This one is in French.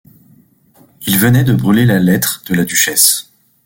Il venait de brûler la lettre de la duchesse.